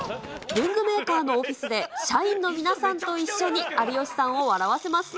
文具メーカーのオフィスで、社員の皆さんと一緒に有吉さんを笑わせます。